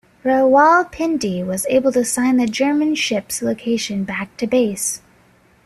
"Rawalpindi" was able to signal the German ships' location back to base.